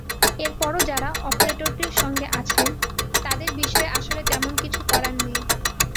এরপরও যারা অপারেটরটির সঙ্গে আছে তাদের বিষয়ে আসলে তেমন কিছু করার নেই।